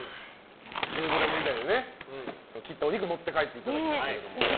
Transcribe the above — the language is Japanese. １０ｇ以内でね、切ったお肉を持って帰っていただきましたが。